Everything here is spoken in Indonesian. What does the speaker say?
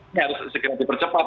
ini harus segera dipercepat